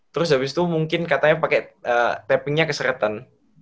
terus abis itu mungkin katanya pake tappingnya keseretan